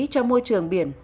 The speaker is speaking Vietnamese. cho môi trường biển